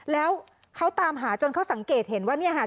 แล้วเขาตามหาจนเขาสังเกตเห็นว่าเนี่ยค่ะ